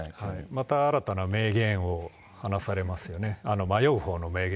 また新たな迷言を話されますよね。